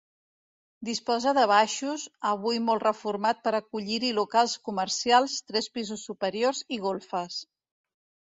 Disposa de baixos, avui molt reformat per acollir-hi locals comercials, tres pisos superiors i golfes.